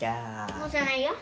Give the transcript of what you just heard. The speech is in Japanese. もう押さないよ。